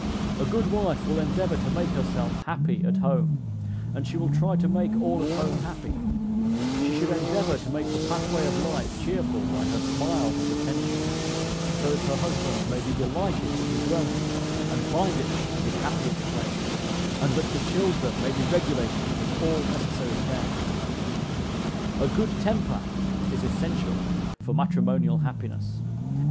A good wife will endeavor to make herself happy at home, and she will try to make all at home happy: she should endeavor to make the pathway of life cheerful by her smiles and attention, so that her husband may be delighted with his dwelling, and find it his happiest place; and that the children may be regulated with all necessary care. A good temper is essential for matrimonial happiness.